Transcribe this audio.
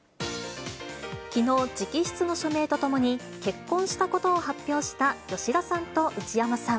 きのう直筆の署名とともに、結婚したことを発表した吉田さんと内山さん。